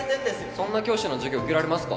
そんな教師の授業受けられますか